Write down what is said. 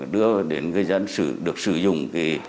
đưa đến người dân được sử dụng